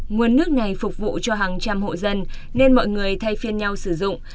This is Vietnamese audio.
nguồn nước này phục vụ cho hàng trăm hộ dân nên mọi người thay phiên nhau sử dụng